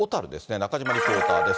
中島リポーターです。